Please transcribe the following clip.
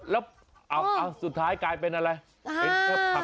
แล้วสุดท้ายกลายเป็นอะไรครับ